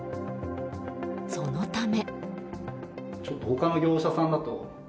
そのため。